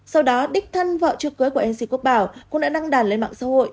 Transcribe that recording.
sau đó đích thân vợ trước cưới của ng quốc bảo cũng đã đăng đàn lên mạng xã hội